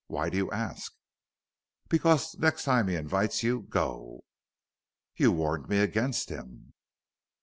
Why do you ask?" "Because next time he invites you, go." "You warned me against him."